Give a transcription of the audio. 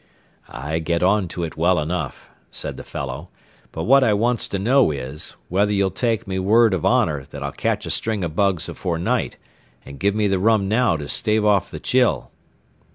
"I get on to it well enough," said the fellow, "but what I wants to know is, whether ye'll take me whurd o' honner that I'll catch a string o' bugs afore night, an' give me the rum now to stave off the chill."